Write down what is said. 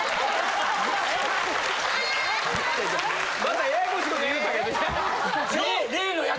またややこしいこと言うたけどいや。